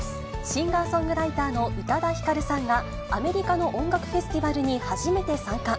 シンガーソングライターの宇多田ヒカルさんが、アメリカの音楽フェスティバルに初めて参加。